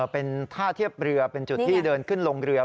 เป็นท่าเทียบเรือเป็นจุดที่เดินขึ้นลงเรือ